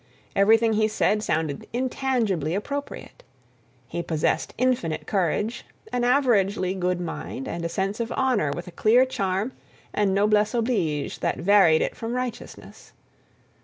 Everything he said sounded intangibly appropriate. He possessed infinite courage, an averagely good mind, and a sense of honor with a clear charm and noblesse oblige that varied it from righteousness.